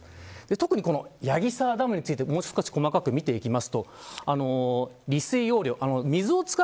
特に矢木沢ダムについてもう少し細かく見ていきます。